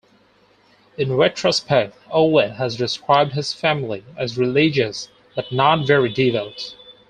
In retrospect, Ouellet has described his family as religious but not very devout.